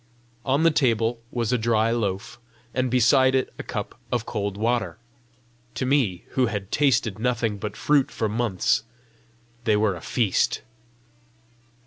On the table was a dry loaf, and beside it a cup of cold water. To me, who had tasted nothing but fruit for months, they were a feast.